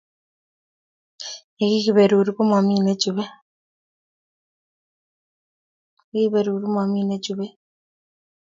Ye kiberur mami nechubei